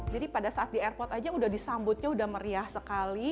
jadi pada saat di airport aja udah disambutnya udah meriah sekali